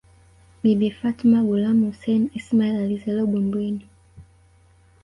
Bibi Fatma Gulamhussein Ismail alizaliwa Bumbwini